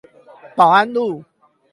保安路